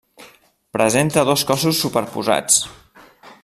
Presenta dos cossos superposats.